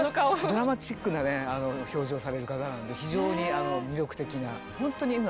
ドラマチックなね表情される方なんで非常に魅力的な。